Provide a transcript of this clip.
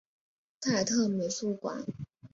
泰特美术馆。